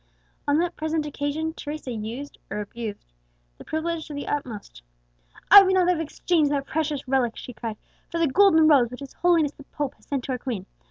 On the present occasion Teresa used or abused that privilege to the utmost. "I would not have exchanged that precious relic," she cried, "for the Golden Rose which his Holiness the Pope has sent to our queen!